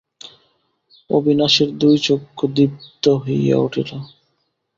অবিনাশের দুই চক্ষু দীপ্ত হইয়া উঠিল।